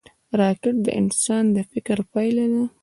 راکټ د انسان د فکر پایله ده